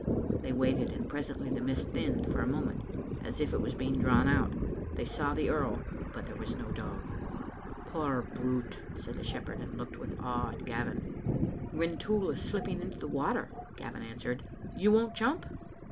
" They waited, and presently the mist thinned for a moment, as if it was being drawn out. They saw the earl, but there was no dog. "Poor brute," said the shepherd, and looked with awe at Gavin. " Rintoul is slipping into the water, " Gavin answered. "You won't jump?"